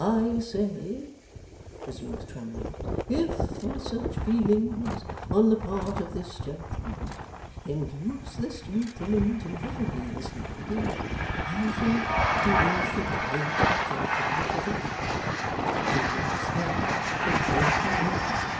'I say,' resumes Twemlow, 'if such feelings on the part of this gentleman, induced this gentleman to marry this lady, I think he is the greater gentleman for the action, and makes her the greater lady.